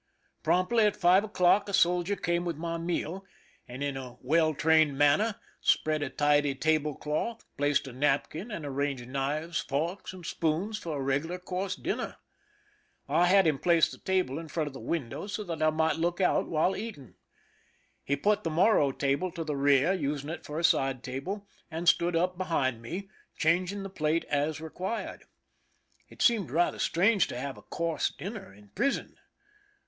Promptly at five o'clock a soldier came with my meal, and in a well trained manner spread a tidy table cloth, placed a napkin, and arranged knives, forks, and spoons for a regular course dinner. I had him place the table in front of the window, so that I might look out while eating. He put the Morro table to the rear, using it for a side table, and stood up behind me, changing the plate as required. It seemed rather strange to have a course dinner in prison.